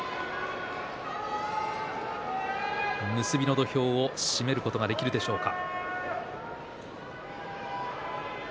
結びの土俵を締めることができるでしょうか。